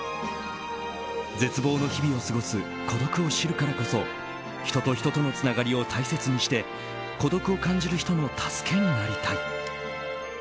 絶望の日々を過ごす孤独を知るからこそ人と人とのつながりを大切にして孤独を感じる人の助けになりたい。